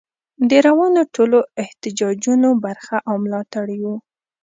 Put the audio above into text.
د روانو ټولو احتجاجونو برخه او ملاتړ یو.